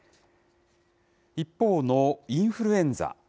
一方のインフルエンザ。